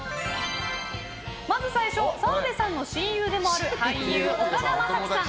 まず最初澤部さんの親友でもある俳優・岡田将生さん